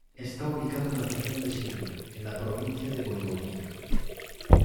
Está ubicado en la región de Sirmia, en la provincia de Voivodina.